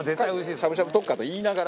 しゃぶしゃぶ特化といいながら。